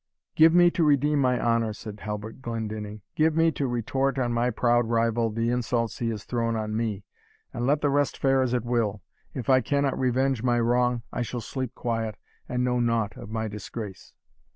"Give me to redeem my honour," said Halbert Glendinning "give me to retort on my proud rival the insults he has thrown on me, and let the rest fare as it will. If I cannot revenge my wrong, I shall sleep quiet, and know nought of my disgrace."